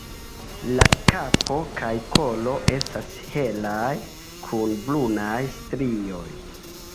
La kapo kaj kolo estas helaj kun brunaj strioj.